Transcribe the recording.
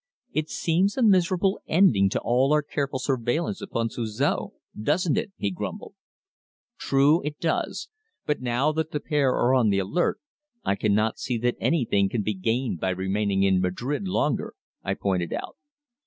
"It seems a miserable ending to all our careful surveillance upon Suzor doesn't it?" he grumbled. "True, it does. But now that the pair are on the alert I cannot see that anything can be gained by remaining in Madrid longer," I pointed out.